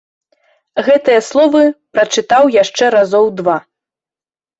Гэтыя словы прачытаў яшчэ разоў два.